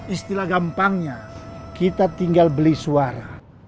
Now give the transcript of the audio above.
istilah gampangnya kita tinggal beli suara